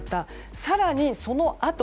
更にそのあと